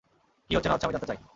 কী হচ্ছে না হচ্ছে আমি জানতে চাই।